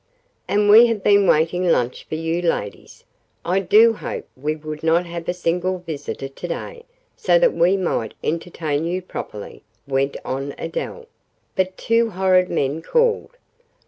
"And we have been waiting lunch for you ladies. I did hope we would not have a single visitor to day, so that we might entertain you properly," went on Adele, "but two horrid men called.